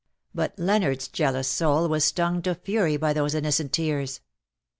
But Leonard's jealous soul was stung to fury by those ionocent tears.